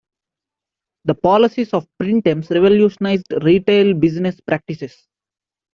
The policies of Printemps revolutionized retail business practices.